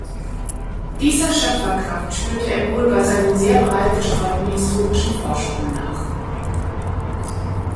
Dieser Schöpferkraft spürte er wohl bei seinen sehr breit gestreuten historischen Forschungen nach.